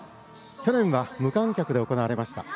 去年は無観客で行われました。